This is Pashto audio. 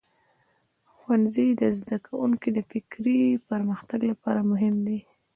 ښوونځی د زده کوونکو د فکري پرمختګ لپاره مهم دی.